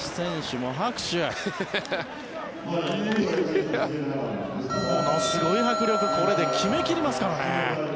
ものすごい迫力これで決め切りますからね。